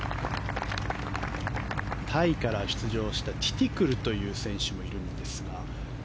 タイから出場したティティクルという選手がいるんですが。